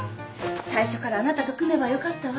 最初からあなたと組めばよかったわ。